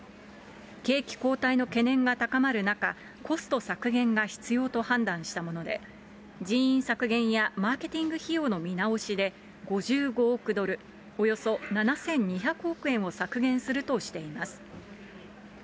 景気後退の懸念が高まる中、コスト削減が必要と判断したもので、人員削減や、マーケティング費用の見直しで、５５億ドル、およそ７２００億円を削減するとしています。